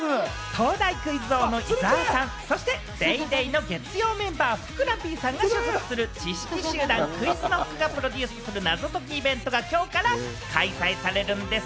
東大クイズ王の伊沢さん、そして『ＤａｙＤａｙ．』の月曜メンバー・ふくらＰさんが所属する知識集団・ＱｕｉｚＫｎｏｃｋがプロデュースする謎解きイベントがきょうから開催されるんでぃす。